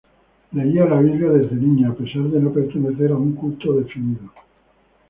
Leía la Biblia desde niño a pesar de no pertenecer a un culto definido.